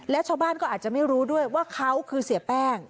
และชาวบ้านก็อาจจะไม่รู้ด้วยว่าเขาคือเสียแป้ง